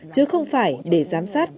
chứ không phải để giám sát